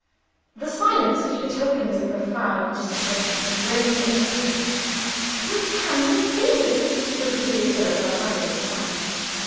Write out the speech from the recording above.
The silence which betokens a profound disappointment reigned in the room. "Who can he be?" repeated Lucilla, for the hundredth time.